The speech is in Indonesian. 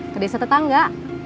ke desa tetangga